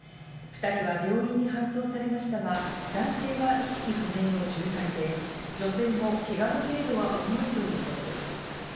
２人は病院に搬送されましたが、男性は意識不明の重体で、女性もケガの程度は重いということです。